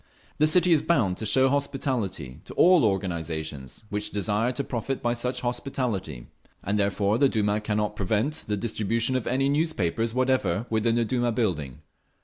The City is bound to show hospitality, to all organisations which desire to profit by such hospitality, and therefore the Duma cannot prevent the distribution of any newspapers whatever within the Duma building.